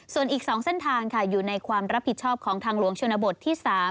ส่วนอีก๒เส้นทางค่ะอยู่ในความรับผิดชอบของทางหลวงชนบทที่๓